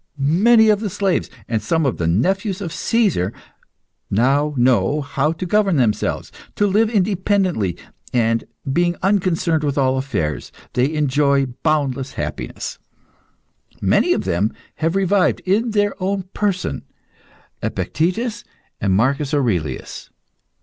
Many of the slaves, and some of the nephews of Caesar, now know how to govern themselves, to live independently, and being unconcerned with all affairs, they enjoy boundless happiness. Many of them have revived, in their own person, Epictetus and Marcus Aurelius.